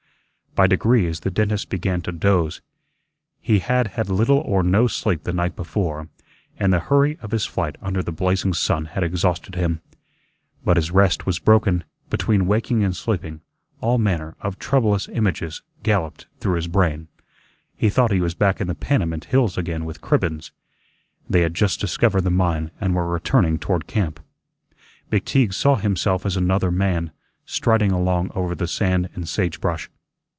By degrees the dentist began to doze. He had had little or no sleep the night before, and the hurry of his flight under the blazing sun had exhausted him. But his rest was broken; between waking and sleeping, all manner of troublous images galloped through his brain. He thought he was back in the Panamint hills again with Cribbens. They had just discovered the mine and were returning toward camp. McTeague saw himself as another man, striding along over the sand and sagebrush.